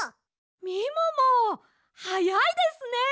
みももはやいですね！